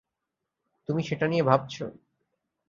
তুমি সেটা নিয়ে ভাবছো?